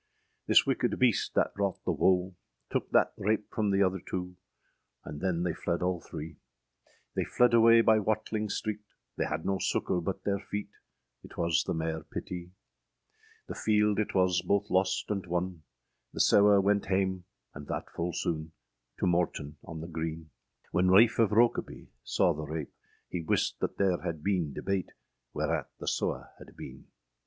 â This wicked beaste thatte wrought the woe, Tooke that rape from the other two, And than they fledd all three; They fledd away by Watling streete, They had no succour but their feete, Yt was the maire pittye. The fielde it was both loste and wonne, The sewe wente hame, and thatte ful soone, To Morton on the Greene. When Raphe of Rokeby saw the rape, He wist that there had bin debate, Whereat the sewe had beene.